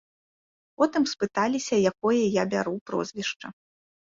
Потым спыталіся, якое я бяру прозвішча.